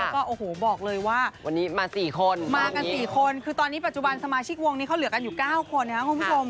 แล้วก็โอ้โหบอกเลยว่าวันนี้มา๔คนมากัน๔คนคือตอนนี้ปัจจุบันสมาชิกวงนี้เขาเหลือกันอยู่๙คนนะครับคุณผู้ชม